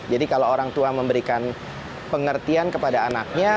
jadi kalau orang tua memberikan pengertian kepada anaknya